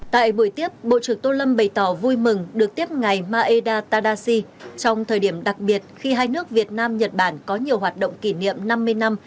tại buổi tiếp bộ trưởng tô lâm bày tỏ vui mừng được tiếp ngày maeda tadashi trong thời điểm đặc biệt khi hai nước việt nam nhật bản có nhiều hoạt động kỷ niệm năm mươi năm